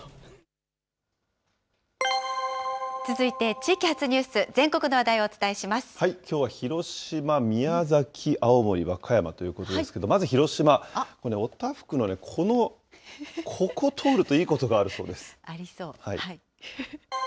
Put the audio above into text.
続いて地域発ニュース、きょうは広島、宮崎、青森、和歌山ということですけど、まず広島、これね、お多福のね、この、ここ通ると、いいことがあるそうです。